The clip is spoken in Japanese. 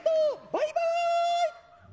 バイバイ！